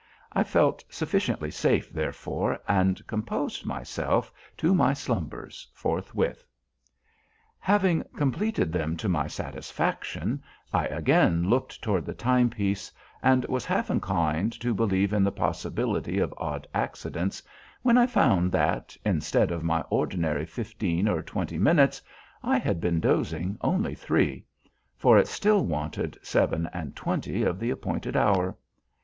I felt sufficiently safe, therefore, and composed myself to my slumbers forthwith. Having completed them to my satisfaction, I again looked toward the timepiece, and was half inclined to believe in the possibility of odd accidents when I found that, instead of my ordinary fifteen or twenty minutes, I had been dozing only three; for it still wanted seven and twenty of the appointed hour.